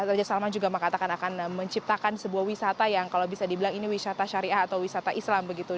raja salman juga mengatakan akan menciptakan sebuah wisata yang kalau bisa dibilang ini wisata syariah atau wisata islam begitu